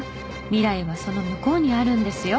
未来はその向こうにあるんですよ。